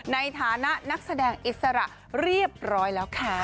ในฐานะนักแสดงอิสระเรียบร้อยแล้วค่ะ